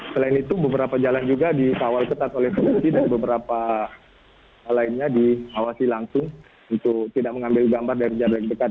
selain itu beberapa jalan juga dikawal ketat oleh polisi dan beberapa lainnya diawasi langsung untuk tidak mengambil gambar dari jarak dekat